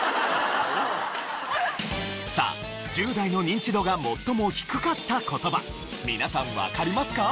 さあ１０代のニンチドが最も低かった言葉皆さんわかりますか？